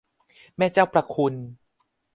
แม่เจ้าประคุณ